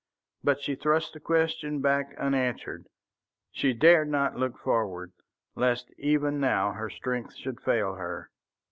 But she thrust the question back unanswered; she dared not look forward, lest even now her strength should fail her.